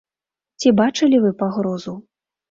Ці бачылі вы пагрозу?